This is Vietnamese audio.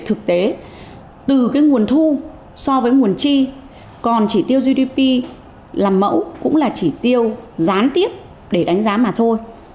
thực tế từ cái nguồn thu so với nguồn chi còn chỉ tiêu gdp làm mẫu cũng là chỉ tiêu gián tiếp để đánh giá mà thôi